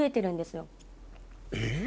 えっ？